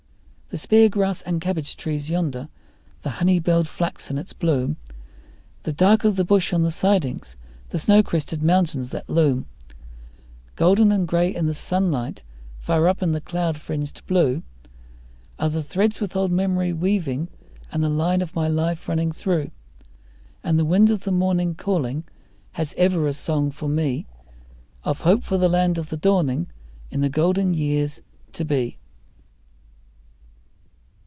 The speargrass and cabbage trees yonder, the honey belled flax in its bloom, The dark of the bush on the sidings, the snow crested mountains that loom Golden and grey in the sunlight, far up in the cloud fringed blue, Are the threads with old memory weaving and the line of my life running through; And the wind of the morning calling has ever a song for me Of hope for the land of the dawning in the golden years to be.